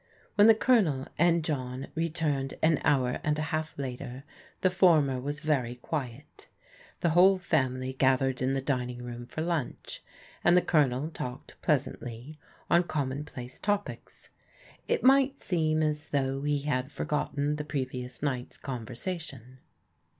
When the Colonel and John returned an hour and a half later the former was very quiet. The whole family gathered in the dining room for lunch, and the Colonel ^ talked pleasantly on commonplace topics. It might seem as though he had forgotten the previous night's conver sation.